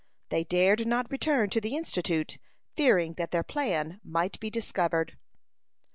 They dared not return to the Institute, fearing that their plan might be discovered.